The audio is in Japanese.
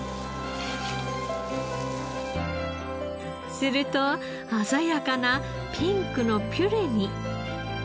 すると鮮やかなピンクのピュレに。